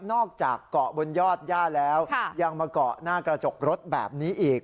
อกจากเกาะบนยอดย่าแล้วยังมาเกาะหน้ากระจกรถแบบนี้อีก